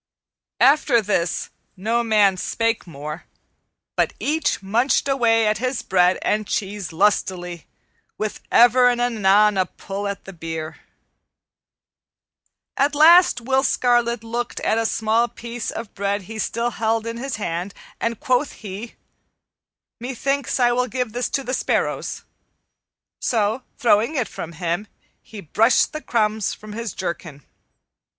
After this no man spake more, but each munched away at his bread and cheese lustily, with ever and anon a pull at the beer. At last Will Scarlet looked at a small piece of bread he still held in his hand, and quoth he, "Methinks I will give this to the sparrows." So, throwing it from him, he brushed the crumbs from his jerkin.